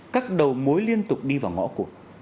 các đầu mối liên tục đi vào ngõ cụ